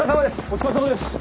お疲れさまです！